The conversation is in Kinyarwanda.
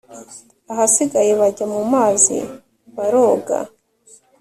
ahasigaye bajya mumazi baroga